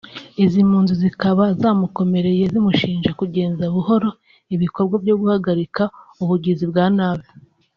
izi mpunzi zikaba zamukomereye zimushinja kugenza buhoro ibikorwa byo guhagarika ubu bugizi bwa nabi